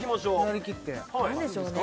なりきって何にしますか？